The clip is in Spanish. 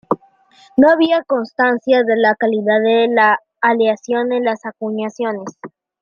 No había constancia de la calidad de la aleación en las acuñaciones.